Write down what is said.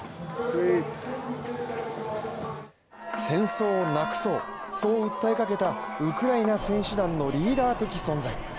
戦争をなくそう、そう訴えかけたウクライナ選手団のリーダー的存在。